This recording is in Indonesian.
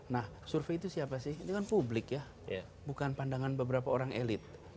nah survei itu siapa sih itu kan publik ya bukan pandangan beberapa orang elit